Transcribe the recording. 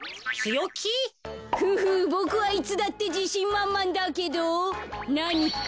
フフボクはいつだってじしんまんまんだけどなにか？